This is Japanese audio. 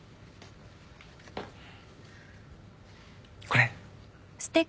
これ。